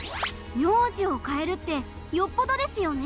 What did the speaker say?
名字を変えるってよっぽどですよね。